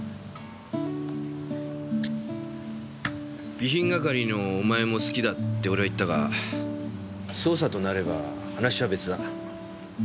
備品係のお前も好きだって俺は言ったが捜査となれば話は別だ。